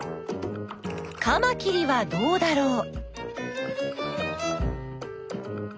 カマキリはどうだろう？